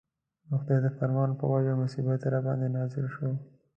د خدای د فرمان په وجه مصیبت راباندې نازل شو.